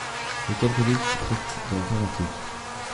J'ai quelques livres qui traitent de l'informatique.